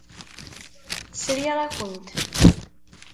Sriɣ-akent.